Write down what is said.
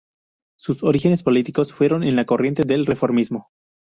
Sus orígenes políticos fueron en la corriente del Reformismo.